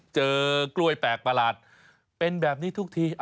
เจอกล้วยแปลกประหลาดเป็นแบบนี้ทุกที